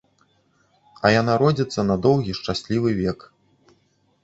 А яна родзіцца на доўгі шчаслівы век.